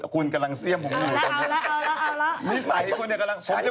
คุณกำลังเสียบผมอยู่ตรงนี้